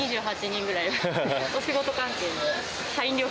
２８人ぐらい。